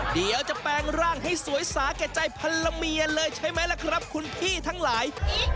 เดี๋ยวจะแปลงร่างให้สวยสาแก่ใจพันละเมียเลยใช่ไหมล่ะครับคุณพี่ทั้งหลาย